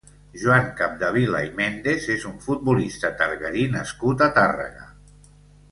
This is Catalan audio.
Joan Capdevila i Méndez és un futbolista targarí nascut a Tàrrega.